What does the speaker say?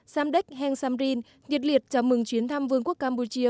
samdek heng samrin nhiệt liệt chào mừng chuyến thăm vương quốc campuchia